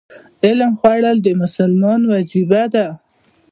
علم خورل د مسلمان وجیبه ده.